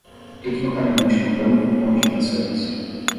Equivocadamente comprou um cupom de transferência